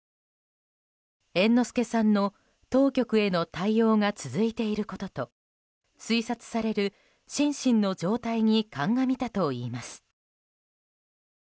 猿之助さんの当局への対応が続いていることと推察される心身の状態に鑑みたといいます。